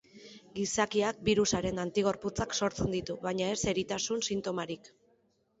Gizakiak birusaren antigorputzak sortzen ditu, baina ez eritasun sintomarik.